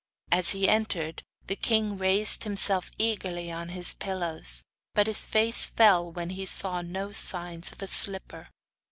As he entered, the king raised himself eagerly on his pillows, but his face fell when he saw no signs of a slipper.